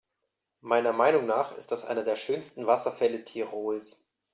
Meiner Meinung nach ist das einer der schönsten Wasserfälle Tirols.